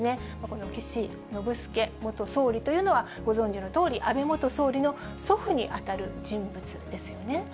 この岸信介元総理というのは、ご存じのとおり、安倍元総理の祖父に当たる人物ですよね。